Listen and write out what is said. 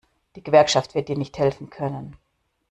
Die Gewerkschaft wird dir nicht helfen können.